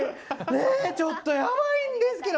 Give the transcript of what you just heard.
ちょっとやばいんですけど。